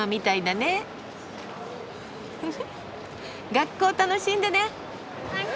学校楽しんでね。